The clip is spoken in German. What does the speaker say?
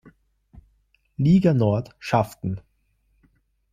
Liga Nord schafften.